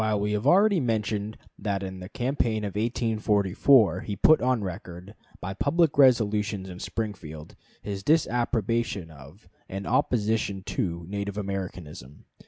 We have already mentioned that in the campaign of 1844 he put on record, by public resolutions in Springfield, his disapprobation of, and opposition to, Native Americanism.